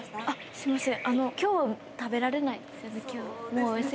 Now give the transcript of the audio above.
すいません。